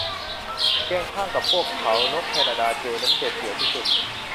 เคียงข้างกับพวกเขา นกแคนาดาเจย์นั้นเด็ดเดี่ยวที่สุด